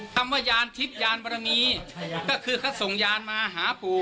คำว่ายานทิพย์ยานบรมีก็คือเขาส่งยานมาหาปู่